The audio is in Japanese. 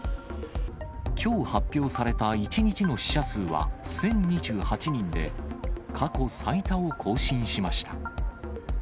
きょう発表された１日の死者数は１０２８人で、過去最多を更新しました。